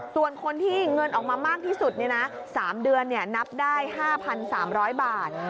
ส่วนคนที่เงินออกมามากที่สุด๓เดือนนับได้๕๓๐๐บาท